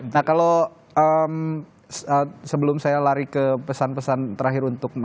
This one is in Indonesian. nah kalau sebelum saya lari ke pesan pesan terakhir untuk